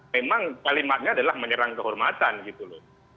memang kalimatnya adalah menyerang kehormatan gitu loh